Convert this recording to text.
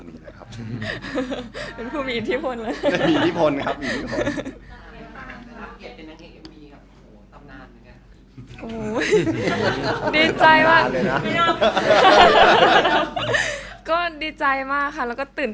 แบน